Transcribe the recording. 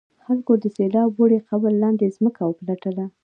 خلکو د سیلاب وړي قبر لاندې ځمکه وپلټله.